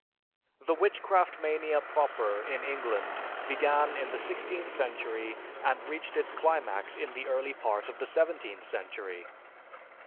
The witchcraft mania proper in England began in the sixteenth century and reached its climax in the early part of the seventeenth century.